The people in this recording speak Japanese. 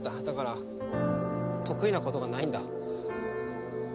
だから得意なことがないんだ。